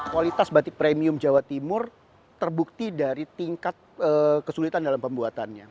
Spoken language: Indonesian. kualitas batik premium jawa timur terbukti dari tingkat kesulitan dalam pembuatannya